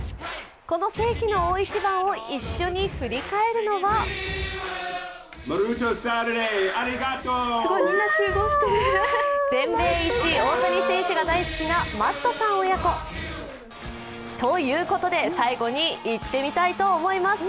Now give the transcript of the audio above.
この世紀の大一番を一緒に振り返るのは全米一大谷選手が大好きなマットさん親子。ということで、最後にいってみたいと思います。